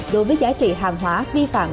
đối với giá trị hàng hóa vi phạm